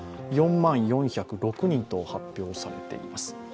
４万４０６人と発表されています。